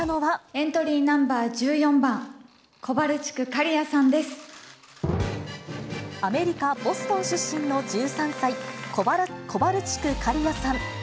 エントリーナンバー１４番、アメリカ・ボストン出身の１３歳、コバルチク花理愛さん。